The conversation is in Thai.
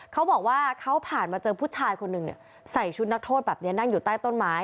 เขาบอกว่าเขาผ่านมาเจอผู้ชายคนหนึ่งใส่ชุดนักโทษแบบนี้นั่งอยู่ใต้ต้นไม้